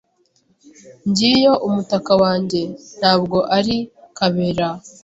Ngiyo umutaka wanjye, ntabwo ari Kabera.